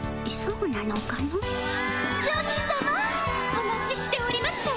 お待ちしておりましたわ！